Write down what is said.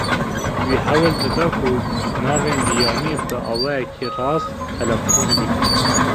Wî hewl dida ku navên biyanî bi awayekî rast telafûz bike.